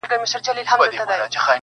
خره لېوه ته ویل ځه کار دي تمام دی -